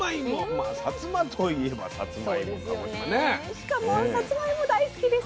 しかもさつまいも大好きです。